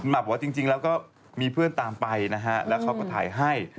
บอกว่าจริงแล้วก็มีเพื่อนตามไปนะฮะแล้วเขาก็ถ่ายให้